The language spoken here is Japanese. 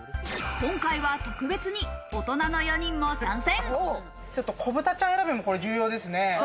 今回は特別に大人の４人も参戦！